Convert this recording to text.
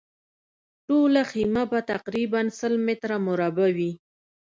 ټوله خیمه به تقریباً سل متره مربع وي.